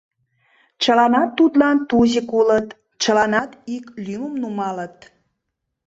Чыланат тудлан Тузик улыт, чыланат ик лӱмым нумалыт.